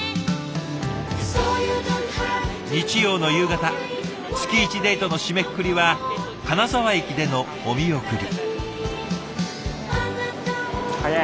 日曜の夕方月１デートの締めくくりは金沢駅でのお見送り。